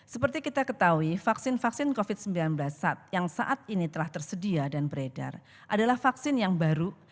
seperti kita ketahui vaksin vaksin covid sembilan belas yang saat ini telah tersedia dan beredar adalah vaksin yang baru